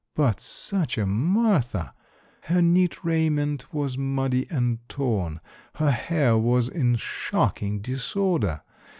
But such a Martha! Her neat raiment was muddy and torn. Her hair was in shocking disorder.